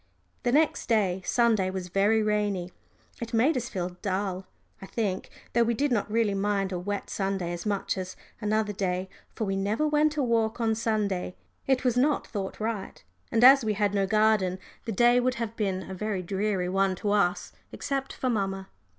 The next day, Sunday, was very rainy. It made us feel dull, I think, though we did not really mind a wet Sunday as much as another day, for we never went a walk on Sunday. It was not thought right, and as we had no garden the day would have been a very dreary one to us, except for mamma.